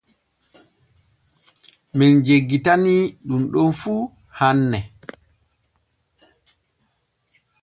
Men jeggitanii ɗun ɗon fu hanne.